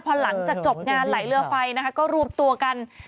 พอหลังจากจบงานไหลเรือไฟนะคะก็รวบตัวกัน